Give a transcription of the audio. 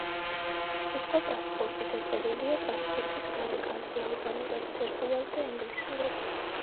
სიტყვა „პასპორტი“ დაწერილია პასპორტის გარეკანზე ალბანურად, სერბულად და ინგლისურად.